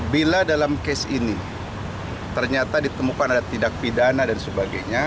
bila dalam kes ini ternyata ditemukan ada tindak pidana dan sebagainya